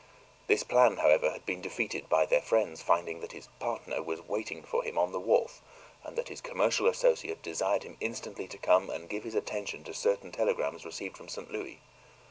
This plan, however, had been defeated by their friend's finding that his "partner" was awaiting him on the wharf and that his commercial associate desired him instantly to come and give his attention to certain telegrams received from St. Louis.